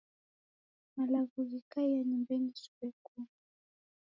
Malagho ghekaia nyumbenyi siw'ekunda.